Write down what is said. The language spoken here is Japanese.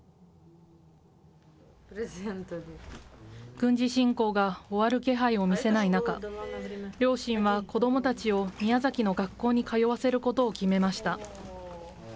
軍事侵攻が終わる気配を見せない中、両親は子どもたちを宮崎の学校に通わせることを決めました。